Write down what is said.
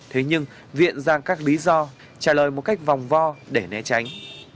thế nhưng viện ra các lý do trả lời một cách vòng vo để né tránh